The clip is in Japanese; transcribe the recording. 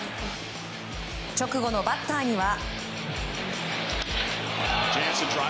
直後のバッターには。